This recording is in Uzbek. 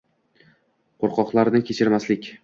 Qo’rqoqlarni kechirmaslik